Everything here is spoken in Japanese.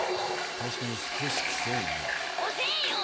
確かに少しくせえなおせえよ！